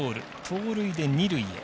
盗塁で二塁へ。